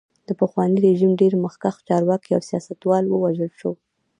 د پخواني رژیم ډېر مخکښ چارواکي او سیاستوال ووژل شول.